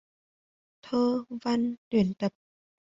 Thơ, văn, tuyển tập